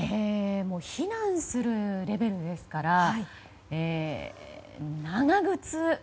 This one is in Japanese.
避難するレベルですから長靴。